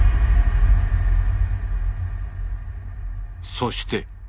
そして。